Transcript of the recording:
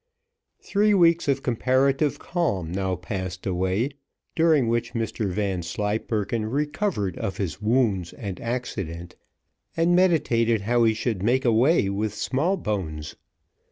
Three weeks of comparative calm now passed away, during which Mr Vanslyperken recovered of his wounds and accident, and meditated how he should make away with Smallbones.